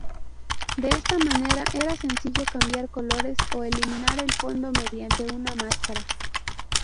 De esta manera era sencillo cambiar colores o eliminar el fondo mediante una "máscara".